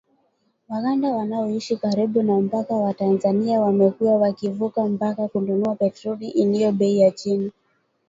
Waganda wanaoishi karibu na mpaka wa Tanzania wamekuwa wakivuka mpaka kununua petroli iliyo bei ya chini.